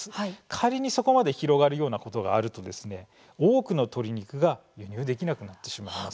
仮にそこまで広がるようなことがあると多くの鶏肉が輸入できなくなってしまいます。